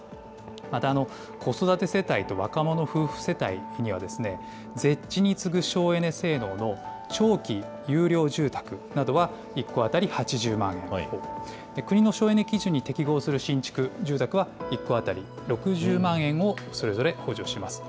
また子育て世帯と若者夫婦世帯には、ゼッチに次ぐ省エネ性能の長期優良住宅などは、１戸当たり８０万円を、国の省エネ基準に適合する新築住宅は、１戸当たり６０万円を、それぞれ補助します。